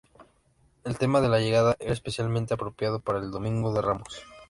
El tema de la llegada era especialmente apropiado para el Domingo de Ramos.